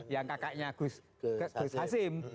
yang kakaknya gus hasim